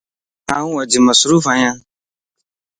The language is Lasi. آن اڄ مصروف ائين